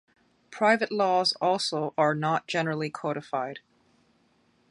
Private laws also are not generally codified.